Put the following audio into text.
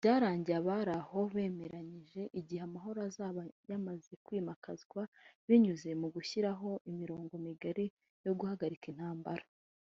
Byarangiye abari aho bemeranyijwe igihe amahoro azaba yamaze kwimakazwa binyuze mu gushyiraho imirongo migari yo guhararika intambara